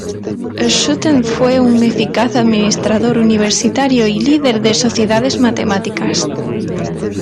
Schouten fue un eficaz administrador universitario y líder de sociedades matemáticas.